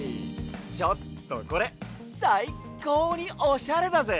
ちょっとこれさいこうにおしゃれだぜ！